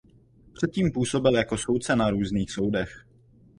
Před tím působil jako soudce na různých soudech.